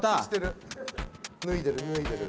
脱いでる脱いでる。